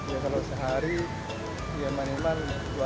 ya kalau sehari ya man man dua ratus